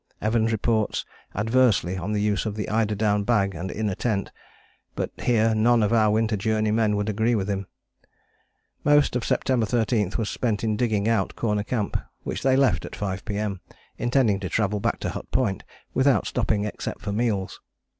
Evans reports adversely on the use of the eider down bag and inner tent, but here none of our Winter Journey men would agree with him. Most of September 13th was spent in digging out Corner Camp which they left at 5 P.M., intending to travel back to Hut Point without stopping except for meals.